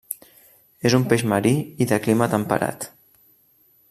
És un peix marí i de clima temperat.